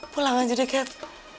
pulang aja deh chai